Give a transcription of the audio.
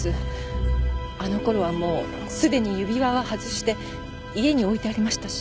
あのころはもうすでに指輪は外して家に置いてありましたし。